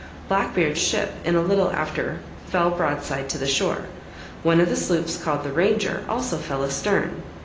Black Beard's ship in a little after fell broadside to the shore; one of the sloops called the Ranger, also fell astern.